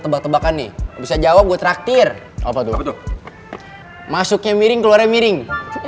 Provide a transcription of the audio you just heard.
tebak tebakan nih bisa jawab buat traktir apa tuh betul masuknya miring keluarnya miring